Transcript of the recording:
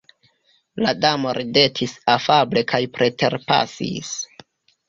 La Damo ridetis afable kaj preterpasis!